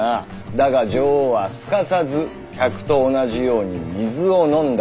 だが女王はすかさず客と同じように水を飲んだ。